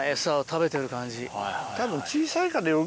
たぶん。